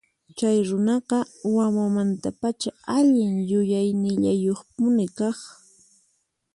Chay runaqa wawamantapacha allin yuyaynillayuqpuni kaq.